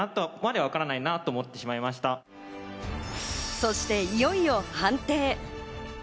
そしていよいよ判定。